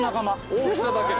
大きさだけ。